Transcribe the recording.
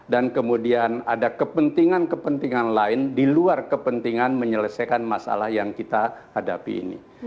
dan kemudian ada kepentingan kepentingan lain di luar kepentingan menyelesaikan masalah yang kita hadapi ini